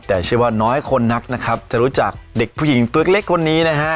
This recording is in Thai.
แต่เชื่อว่าน้อยคนนักนะครับจะรู้จักเด็กผู้หญิงตัวเล็กคนนี้นะฮะ